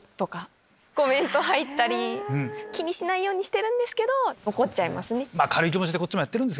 気にしないようにしてるけど怒っちゃいますね。